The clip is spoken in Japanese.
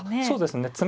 そうですね。